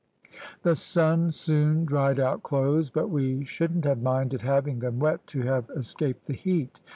The sun soon dried out clothes, but we shouldn't have minded having them wet to have escaped the heat.